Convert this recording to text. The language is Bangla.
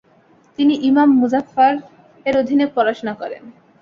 তিনি ইমাম মোআফ্ফাক-এর অধীনে পড়াশোনা করেন।